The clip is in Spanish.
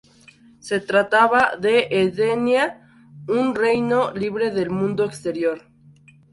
Se trataba de Edenia, un reino libre del Mundo Exterior.